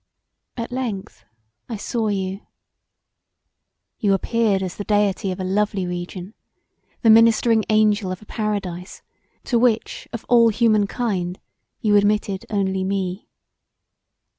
At length I saw you. You appeared as the deity of a lovely region, the ministering Angel of a Paradise to which of all human kind you admitted only me.